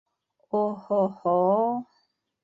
- О-һо-һо!